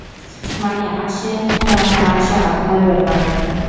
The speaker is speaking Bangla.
মানে, আসা না আসা আপনার ব্যাপার।